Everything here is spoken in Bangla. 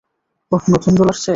ওহ, নতুন দল আসছে?